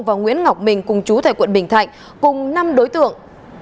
và nguyễn ngọc mình cùng chú thầy quận bình thạnh cùng năm đối tượng